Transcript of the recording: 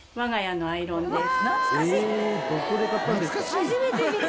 初めて見た！